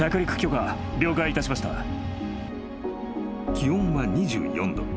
［気温は２４℃。